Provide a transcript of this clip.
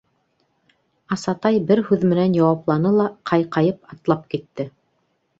— Асатай бер һүҙ менән яуапланы ла ҡайҡайып атлап китте.